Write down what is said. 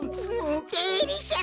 デリシャス！